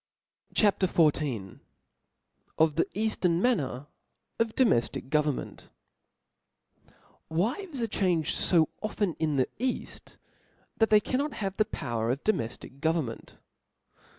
CHAP. XIV. Of the Eqftern manner ofdomeftk Government. TTT" IVES ve changed fo often in the eafl*,' "^ that they cannot have the power of do meftic government.